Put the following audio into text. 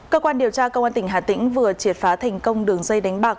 cơ quan điều tra công an tỉnh hà tĩnh vừa triệt phá thành công đường dây đánh bạc